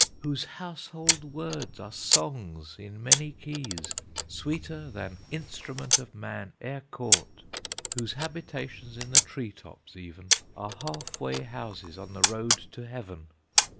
Whose household words are songs in many keys, Sweeter than instrument of man e'er caught! Whose habitations in the tree tops even Are half way houses on the road to heaven!